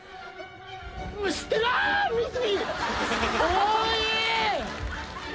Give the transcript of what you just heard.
おい！